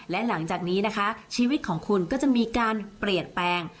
และหลังจากนี้นะคะชีวิตของคุณก็จะมีการเปลี่ยนแปลง